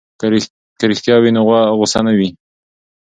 که رښتیا وي نو غوسه نه وي.